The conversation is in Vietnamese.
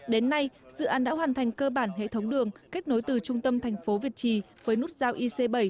đến nay dự án đã hoàn thành cơ bản hệ thống đường kết nối từ trung tâm thành phố việt trì với nút giao ic bảy